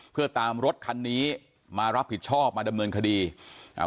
เพื่อตามรถคันนี้มารับผิดชอบมาดำเนินคดีอ่า